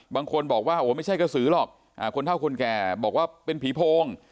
บางคนบอกว่าโอ้ไม่ใช่กระสือหรอกคนเท่าคนแก่บอกว่าเป็นผีโพง